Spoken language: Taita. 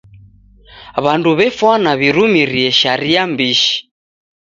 W'andu w'efwana w'irumirie sharia mbishi.